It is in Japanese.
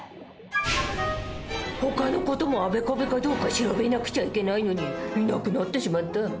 ほかの事もあべこべかどうか調べなくちゃいけないのにいなくなってしまった。